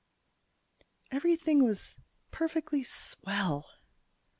Everything was perfectly swell.